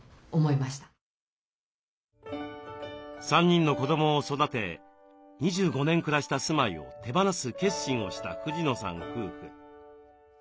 ３人の子どもを育て２５年暮らした住まいを手放す決心をした藤野さん夫婦。